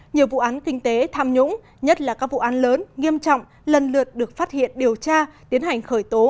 nhiều vụ án kinh tế tham nhũng nhất là các vụ án lớn nghiêm trọng lần lượt được phát hiện điều tra tiến hành khởi tố